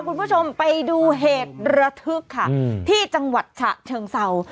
คุณผู้ชมไปดูเหตุระทึกค่ะที่จังหวัดฉะเชิงเศร้า